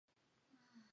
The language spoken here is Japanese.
青森県三戸町